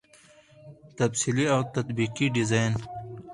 تفصیلي او تطبیقي ډيزاين